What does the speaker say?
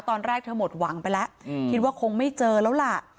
ตอนแรกเธอหมดหวังไปแล้วคิดว่าคงไม่เจอแล้วล่ะ